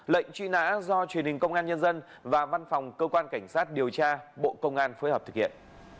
lệnh truy nã do truyền hình công an nhân dân và văn phòng cơ quan cảnh sát điều tra bộ công an phối hợp thực hiện